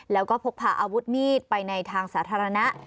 แล้วก็พกพาอาวุธมีดไปในทางสาธารณะ